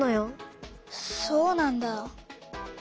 そうなんだ。